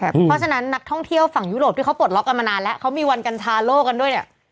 เพราะฉะนั้นนักท่องเที่ยวฝั่งยุโรปที่เขาปลดล็อกกันมานานแล้วเขามีวันกัญชาโลกกันด้วยเนี่ย